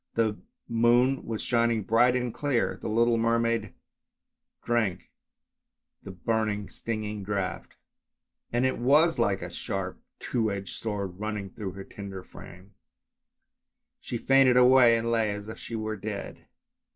The moon was shining bright and clear. The little mermaid drank the burning, stinging draught, and it was like a sharp, two edged sword running through her tender frame; she fainted away and lay as if she were dead.